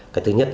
cái thứ nhất